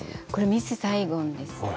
「ミス・サイゴン」です。